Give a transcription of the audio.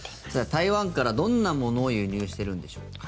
台湾からどんなものを輸入しているんでしょうか。